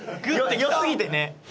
良すぎてね。